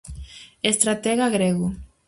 Estratega grego.